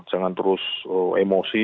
jangan terus emosi